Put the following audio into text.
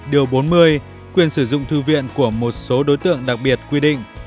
điều bốn mươi quyền sử dụng thư viện của một số đối tượng đặc biệt quy định